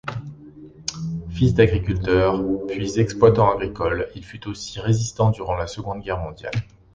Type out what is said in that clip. Fils d'agriculteur, puis exploitant agricole, il fut aussi résistant durant la Seconde Guerre mondiale.